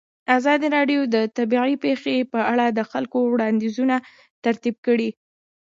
ازادي راډیو د طبیعي پېښې په اړه د خلکو وړاندیزونه ترتیب کړي.